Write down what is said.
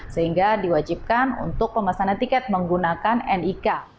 sehingga diwajibkan untuk pemesanan tiket menggunakan nik